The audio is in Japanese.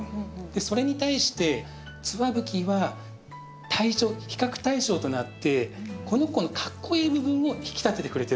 それに対してツワブキは対称比較対称となってこの子のかっこいい部分を引き立ててくれてると思います。